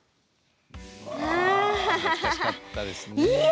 懐かしかったですね。